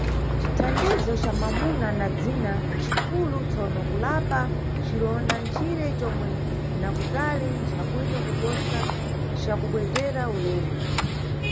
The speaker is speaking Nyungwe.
Cithandizo ca mamuna na dzindza nchi kulu, tsono kulapa cironda nchire comwe na kutali ncha bwino kuposa ca kubwezera ulemu.